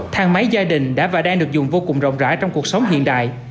thang máy gia đình đã và đang được dùng vô cùng rộng rãi trong cuộc sống hiện đại